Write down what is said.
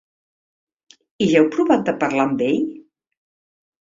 I ja heu provat de parlar amb ell?